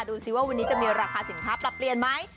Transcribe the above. ดูสิว่าวันนี้จะมีราคาสินค้าปรับเปลี่ยนไหม